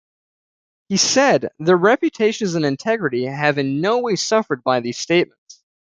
He said, Their reputations and integrity have in no way suffered by these statements.